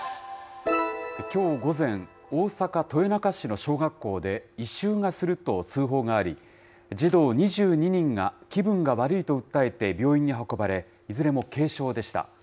きょう午前、大阪・豊中市の小学校で、異臭がすると通報があり、児童２２人が気分が悪いと訴えて病院に運ばれ、いずれも軽症でした。